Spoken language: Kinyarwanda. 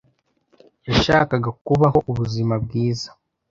Yashakaga kubaho ubuzima bwiza.